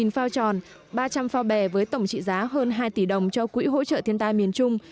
một phao tròn ba trăm linh phao bè với tổng trị giá hơn hai tỷ đồng cho quỹ hỗ trợ thiên tai miền trung